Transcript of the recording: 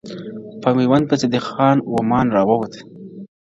په میوند پسې دې خان و مان را ووت ,